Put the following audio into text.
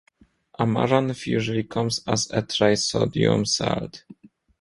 Amaranth usually comes as a trisodium salt.